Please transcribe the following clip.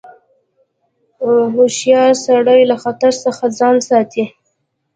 هوښیار سړی له خطر څخه ځان ساتي.